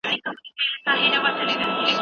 دوی به په ګډه نوې څېړنه پیل کړي.